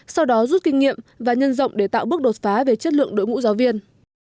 sau đó rút kinh nghiệm và nhân rộng để tạo bước đột phá về chất lượng đội ngũ giáo viên